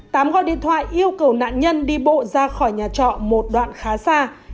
tám gọi điện thoại yêu cầu nạn nhân đi bộ ra khỏi nhà trọ một đoạn khá xa